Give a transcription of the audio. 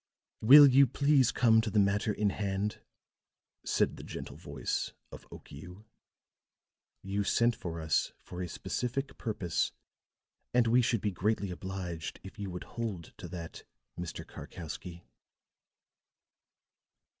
"Will you please come to the matter in hand?" said the gentle voice of Okiu. "You sent for us for a specific purpose, and we should be greatly obliged if you would hold to that, Mr. Karkowsky."